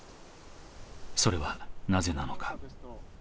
それはなぜなのか？